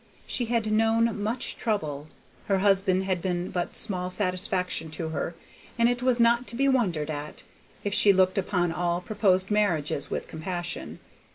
She had known much trouble; her husband had been but small satisfaction to her, and it was not to be wondered at if she looked upon all proposed marriages with compassion.